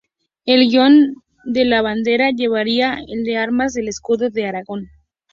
El Guión de la Bandera llevaría el de las Armas del Escudo de Aragón.